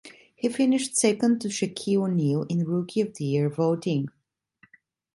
He finished second to Shaquille O'Neal in rookie of the year voting.